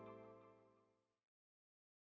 โปรดติดตามตอนต่อไป